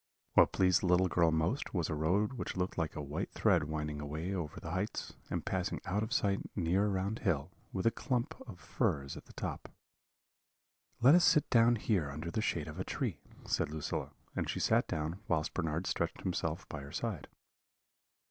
What pleased the little girl most was a road which looked like a white thread winding away over the heights, and passing out of sight near around hill, with a clump of firs at the top. "'Let us sit down here under the shade of a tree,' said Lucilla; and she sat down, whilst Bernard stretched himself by her side.